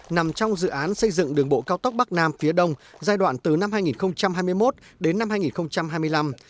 nằm trong dự án xây dựng đường bộ cao tốc bắc nam phía đông giai đoạn từ năm hai nghìn hai mươi một đến năm hai nghìn hai mươi năm